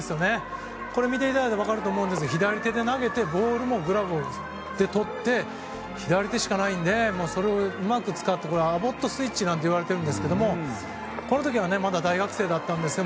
見ていただいて分かるんですが左手で投げてボールもグラブでとって左手しかないのでそれをうまく使ってアボットスイッチなんていわれているんですけどこの時はまだ大学生だったんですが。